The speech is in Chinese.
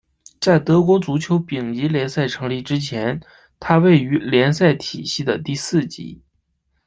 在德国足球丙级联赛成立之前它位于联赛体系的第四级。